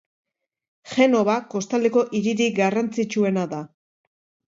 Genova kostaldeko hiririk garrantzitsuena da.